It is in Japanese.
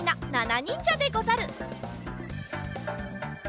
なにんじゃでござる。